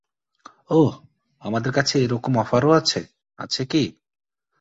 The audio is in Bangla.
ওহ, আমাদের কাছে এরকম অফারও আছে, আছে কি?